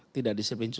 tidak disiplin cuci